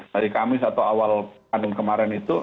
hari kamis atau awal kanun kemarin itu